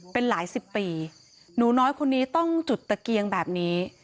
เป็นหลายสิบปีหนูน้อยคนนี้ต้องจุดตะเกียงแบบนี้